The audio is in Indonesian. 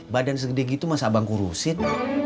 badan segede gitu masa bang kurusin